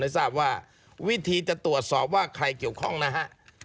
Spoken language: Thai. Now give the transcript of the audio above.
ทราบว่าวิธีจะตรวจสอบว่าใครเกี่ยวข้องนะฮะ